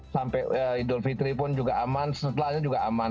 sampai idul fitri pun juga aman setelahnya juga aman